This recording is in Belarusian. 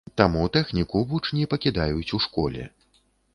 Таму тэхніку вучні пакідаюць у школе.